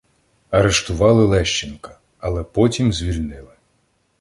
Арештували Лещенка, але потім звільнили.